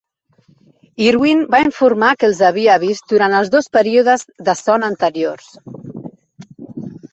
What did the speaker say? Irwin va informar que els havia vist durant els dos períodes de son anteriors.